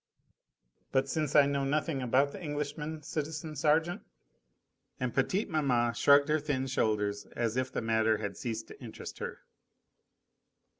"But since I know nothing about the Englishman, citizen sergeant ?" And petite maman shrugged her thin shoulders as if the matter had ceased to interest her.